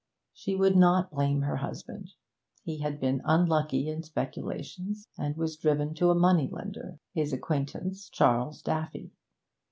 She would not blame her husband. He had been unlucky in speculations, and was driven to a money lender his acquaintance, Charles Daffy.